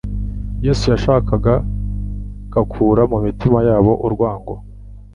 Yesu yashakaga gakura mu mitima yabo urwangano,